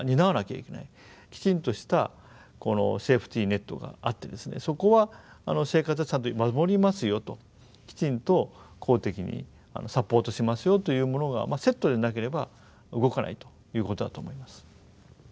きちんとしたセーフティネットがあってそこは生活はちゃんと守りますよときちんと公的にサポートしますよというものがセットでなければ動かないということだと思います。